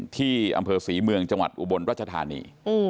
ที่อำเภอศรีเมืองจังหวัดอุบลรัชธานี